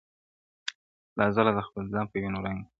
له ازله د خپل ځان په وینو رنګ یو -